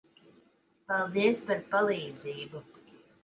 Paldies par palīdzību.